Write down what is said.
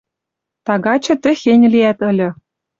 Тагачы тӹхень лиӓт ыльы